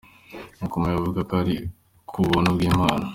Yakomeje avuga ko ari ku buntu bwImana.